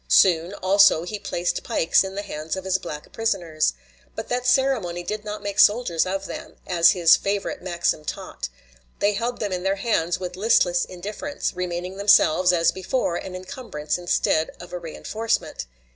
Soon, also, he placed pikes in the hands of his black prisoners. But that ceremony did not make soldiers of them, as his favorite maxim taught. They held them in their hands with listless indifference, remaining themselves, as before, an incumbrance instead of a reënforcement.